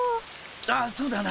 ああそうだな